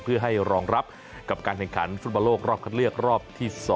เพื่อให้รองรับกับการแข่งขันฟุตบอลโลกรอบคัดเลือกรอบที่๒